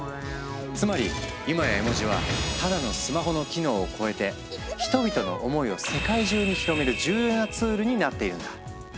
つまり今や絵文字はただのスマホの機能を超えて人々の思いを世界中に広める重要なツールになっているんだ。